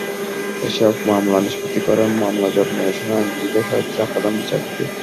এসব মামলা নিষ্পত্তি করে মামলাজট নিরসনে আইনজীবীদের সহায়তা চান প্রধান বিচারপতি।